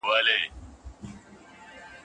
که مقاله وي نو نوم نه ورکیږي.